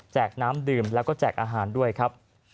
น้ำดื่มแล้วก็แจกอาหารด้วยครับ